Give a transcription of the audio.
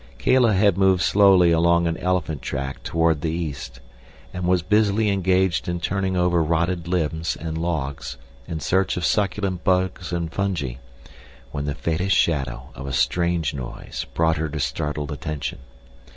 Kala had moved slowly along an elephant track toward the east, and was busily engaged in turning over rotted limbs and logs in search of succulent bugs and fungi, when the faintest shadow of a strange noise brought her to startled attention.